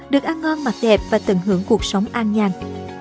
được ăn ngon mặc đẹp và tận hưởng cuộc sống an nhàng